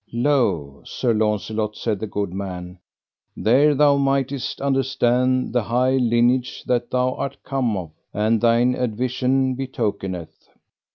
Lo, Sir Launcelot, said the good man, there thou mightest understand the high lineage that thou art come of, and thine advision betokeneth.